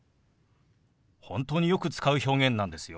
本当によく使う表現なんですよ。